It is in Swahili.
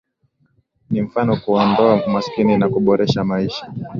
Ni mfano kuondoa umaskini na kuboresha maisha